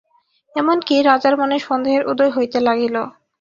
এমন-কি, রাজার মনে সন্দেহের উদয় হইতে লাগিল।